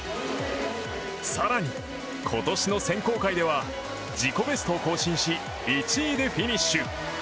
更に、今年の選考会では自己ベストを更新し１位でフィニッシュ。